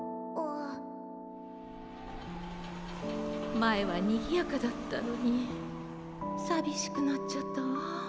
まえはにぎやかだったのにさびしくなっちゃったわ。